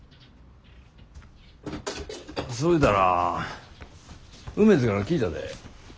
そういうたら梅津から聞いたで。